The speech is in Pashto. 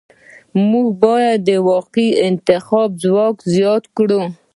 موږ باید د واقعي انتخاب ځواک زیات کړو.